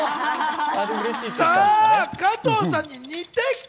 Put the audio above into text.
さあ、加藤さんに似てきた。